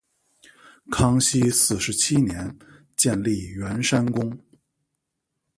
康熙四十七年建立圆山宫。